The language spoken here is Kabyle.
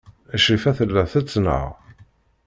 Crifa tella tettnaɣ.